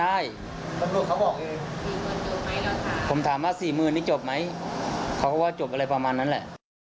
ใช่ตำรวจเขาบอกเองผมถามว่าสี่หมื่นนี่จบไหมเขาก็ว่าจบอะไรประมาณนั้นแหละ